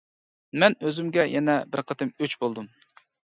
مەن ئۆزۈمگە يەنە بىر قېتىم ئۆچ بولدۇم.